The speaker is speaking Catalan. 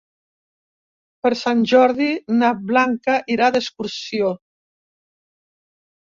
Per Sant Jordi na Blanca irà d'excursió.